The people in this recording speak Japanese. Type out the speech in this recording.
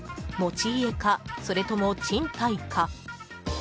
持ち家か、それとも賃貸か。